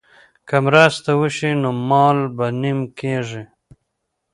که مرسته وشي نو مال به نیم کیږي.